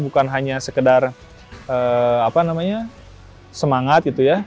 bukan hanya sekedar semangat gitu ya